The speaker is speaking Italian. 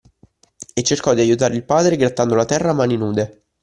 E cercò di aiutare il padre grattando la terra a mani nude